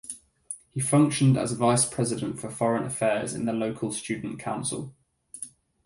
He functioned as vice president for foreign affairs in the local student council.